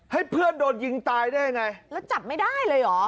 ให้เพื่อนโดนยิงตายได้ยังไงแล้วจับไม่ได้เลยเหรอ